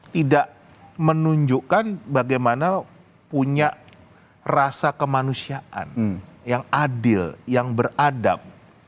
tidak menunjukkan bagaimana punya rasa kemanusiaan yang adil yang beradab